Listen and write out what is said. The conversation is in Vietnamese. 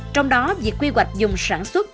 trong đó việc quy hoạch dùng sản xuất